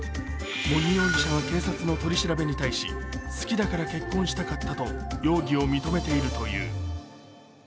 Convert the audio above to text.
茂木容疑者は警察の取り調べに対し好きだから結婚したかったと容疑を認めているという。